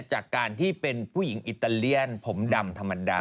จากการที่เป็นผู้หญิงอิตาเลียนผมดำธรรมดา